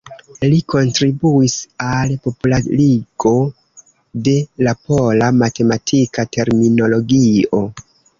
Li kontribuis al popularigo de la pola matematika terminologio.